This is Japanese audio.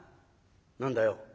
「何だよ？」。